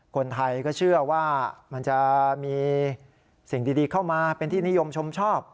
คนไทยก็เชื่อว่ามันจะมีสิ่งดีเข้ามาเป็นที่นิยมชมชอบ